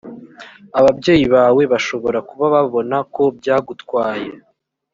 ababyeyi bawe bashobora kuba babona ko byagutwaye